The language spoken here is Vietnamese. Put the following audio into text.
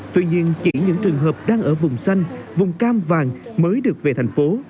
tuy nhiên chỉ những trường hợp đang ở vùng xanh vùng cam vàng mới được về thành phố